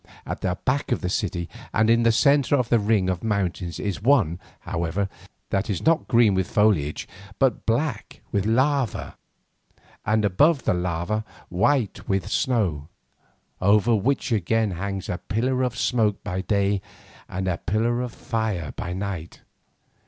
At the back of the city and in the centre of the ring of mountains is one, however, that is not green with foliage but black with lava, and above the lava white with snow, over which again hangs a pillar of smoke by day and a pillar of fire by night.